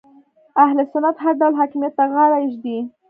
اهل سنت هر ډول حاکمیت ته غاړه ږدي